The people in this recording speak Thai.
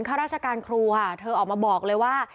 ข้าราชการครูค่ะเธอออกมาบอกเลยว่า